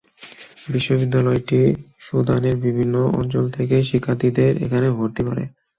বিশ্ববিদ্যালয়টি সুদানের বিভিন্ন অঞ্চল থেকে শিক্ষার্থীদের এখানে ভর্তি করে।